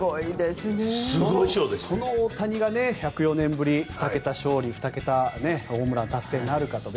その大谷が、１０４年ぶり２桁勝利２桁ホームラン達成なるかと。